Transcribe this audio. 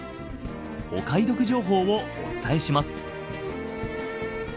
お買い得情報をお伝えします。